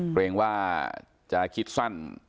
เกรงว่าจะคิดสั้น